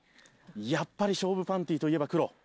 やっぱり勝負パンティといえば黒。